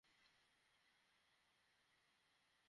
এটি কাউন্টির এখতিয়ারের মধ্যে ছিল।